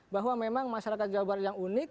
bahwa memang masyarakat jawa barat yang unik